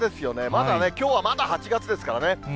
まだね、きょうはまだ８月ですからね。